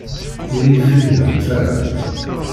Ur iyi-frinent ara.